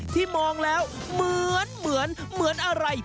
ที่มองแล้วเหมือนเหมือนอะไร